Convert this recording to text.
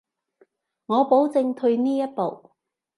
我保證退呢一步